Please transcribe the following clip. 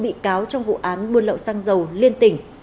bảy mươi bốn bị cáo trong vụ án buôn lậu xăng dầu liên tỉnh